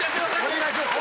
・お願いします